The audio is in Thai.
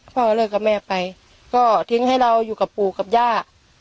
พ่อเลิกกับแม่ไปก็ทิ้งให้เราอยู่กับปู่กับย่า